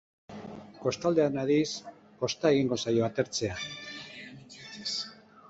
Kostaldean aldiz, kosta egingo zaio atertzea.